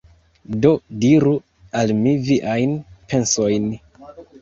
Do, diru al mi viajn pensojn